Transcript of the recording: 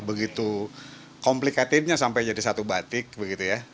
begitu komplikatifnya sampai jadi satu batik begitu ya